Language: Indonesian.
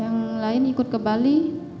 yang lain ikut ke bali